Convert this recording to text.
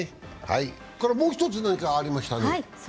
もう１つ、何かありましたね。